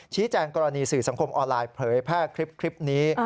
แจ้งกรณีสื่อสังคมออนไลน์เผยแพร่คลิปนี้